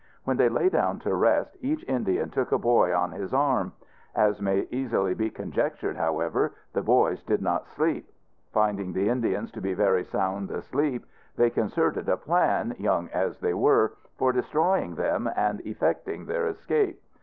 When they lay down to rest, each Indian took a boy on his arm. As may easily be conjectured, however, the boys did not sleep. Finding the Indians to be very sound asleep, they concerted a plan, young as they were, for destroying them and effecting their escape.